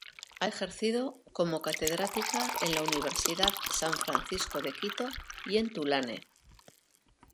Ha ejercido como catedrática en la Universidad San Francisco de Quito y en Tulane.